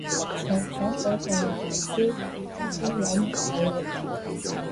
除咗嗰句難明啲其他都有文有路